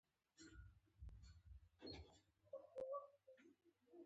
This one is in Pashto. ژباړه يې وکړه